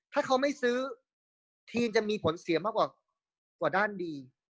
ถ้าเขาไม่ซื้อทีมจะมีผลเสียมากกว่าด้านดี